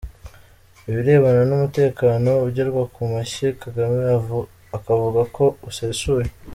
Ibirebana n’umutekano ugerwa ku mashyi, Kagame akavuga ko usesuye!